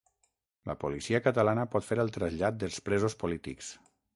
La policia catalana pot fer el trasllat dels presos polítics